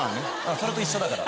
それと一緒だから。